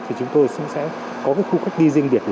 thì chúng tôi sẽ có cái khu cách ly riêng biệt